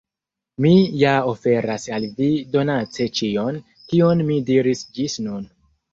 Mi ja oferas al vi donace ĉion, kion mi diris ĝis nun.